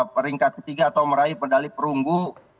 peringkat ketiga atau meraih medali perunggu